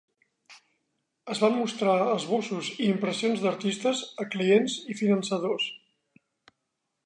Es van mostrar esbossos i impressions d'artistes a clients i finançadors.